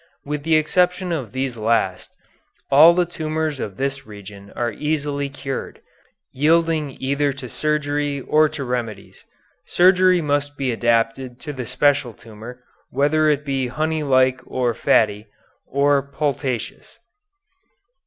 With the exception of these last, all the tumors of this region are easily cured, yielding either to surgery or to remedies. Surgery must be adapted to the special tumor, whether it be honey like or fatty, or pultaceous."